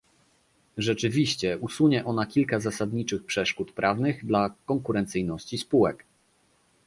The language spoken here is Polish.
Rzeczywiście, usunie ona kilka zasadniczych przeszkód prawnych dla konkurencyjności spółek